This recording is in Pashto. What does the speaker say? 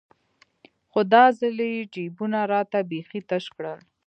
خو دا ځل يې جيبونه راته بيخي تش كړل.